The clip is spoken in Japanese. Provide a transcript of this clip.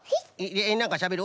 えっなんかしゃべる？